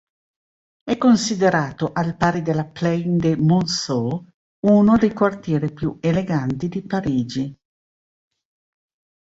È considerato, al pari della Plaine-de-Monceaux, uno dei quartieri più eleganti di Parigi.